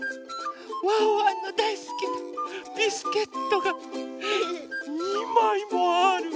ワンワンのだいすきなビスケットが２まいもある！